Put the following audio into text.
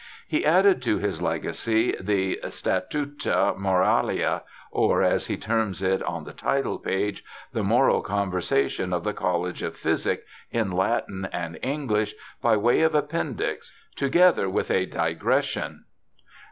He added to his Legacy the Statiita Moralia, or as he terms it on the title page, 'the moral conversation of the College of Physic, in Latin and English, by way of Appendix, together with a Digression.'